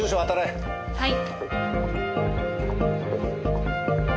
はい。